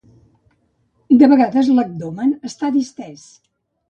De vegades l'abdomen està distés.